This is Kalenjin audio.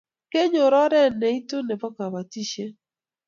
kenyor oret ne itu nebo kabatishiet